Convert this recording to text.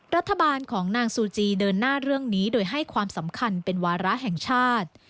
รัฐบาลของนางซูจีเดินหน้าเรื่องนี้โดยให้ความสำคัญเป็นวาระแห่งชาติ